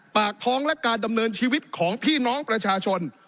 ปากท้องและการดำเนินชีวิตของพี่น้องประชาชน